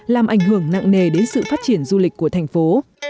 làm ảnh hưởng nặng nề đến sự phát triển du lịch của thành phố